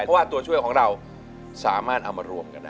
เพราะว่าตัวช่วยของเราสามารถเอามารวมกันได้